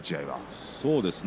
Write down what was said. そうですね。